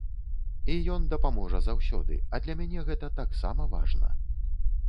І ён дапаможа заўсёды, а для мяне гэта таксама важна.